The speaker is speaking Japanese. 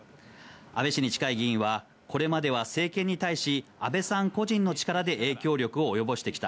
安倍氏に近い議員は、これまでは政権に対し、安倍さん個人の力で影響力を及ぼしてきた。